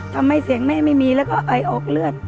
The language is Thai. ทำให้เสียงแม่ไม่มีแล้วก็ไอออกเลือด